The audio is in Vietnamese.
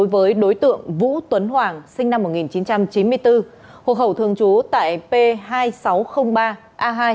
với đối tượng vũ tuấn hoàng sinh năm một nghìn chín trăm chín mươi bốn hộ khẩu thường trú tại p hai nghìn sáu trăm linh ba a hai